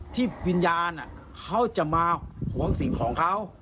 ที่วิญญาณเขาจะมาหวงสิ่งของเขา